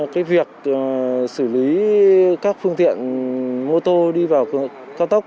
cái việc xử lý các phương tiện mô tô đi vào cao tốc